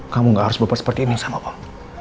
kamu gak harus berper seperti ini sama om